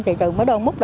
trừ mới đơn mức